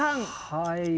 はい。